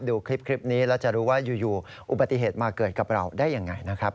ดูคลิปนี้แล้วจะรู้ว่าอยู่อุบัติเหตุมาเกิดกับเราได้ยังไงนะครับ